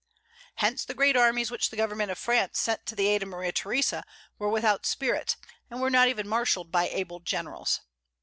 Hence, the great armies which the government of France sent to the aid of Maria Theresa were without spirit, and were not even marshalled by able generals.